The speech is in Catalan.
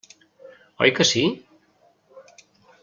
Oi que sí?